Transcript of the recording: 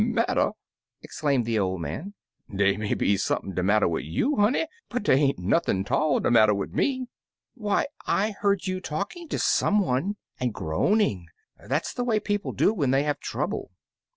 "Matter!'' exclaimed the old man. "Dey may be sump'n de matter wid you, honey, but dey ain't nothin' 'tall de matter vnd me." "Why, I heard you talking to some one, and groaning; that's the way people do when they have trouble."